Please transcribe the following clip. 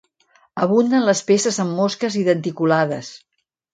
Abunden les peces amb mosques i denticulades.